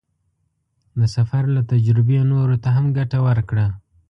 د سفر له تجربې نورو ته هم ګټه ورکړه.